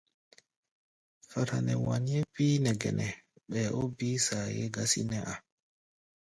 Fara nɛ wanyé píí nɛ gɛnɛ, ɓɛɛ ó bíí saayé gásí nɛ́ a̧.